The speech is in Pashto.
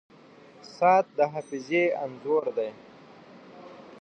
• ساعت د حافظې انځور دی.